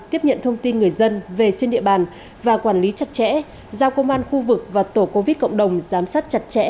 tiếp nhận thông tin người dân về trên địa bàn và quản lý chặt chẽ giao công an khu vực và tổ covid cộng đồng giám sát chặt chẽ